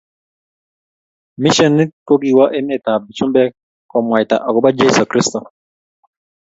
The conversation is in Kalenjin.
Mishenit kokiwa emet ab chumbek komwaita akobo cheso kristo